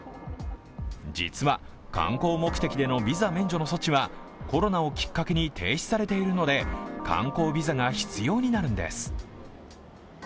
実は、観光目的でのビザ免除の措置は、コロナをきっかけに停止されているので、観光ビザが必要になるんです。